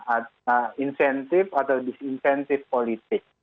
atau insentif atau disinsentif politik